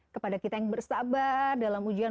kepada kita yang bersabar dalam ujian